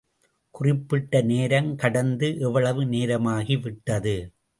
குறிப்பிட்ட நேரம் கடந்து எவ்வளவு நேரமாகிவிட்டது.